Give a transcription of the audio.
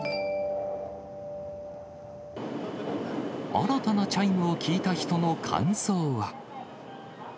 新たなチャイムを聞いた人の感想は。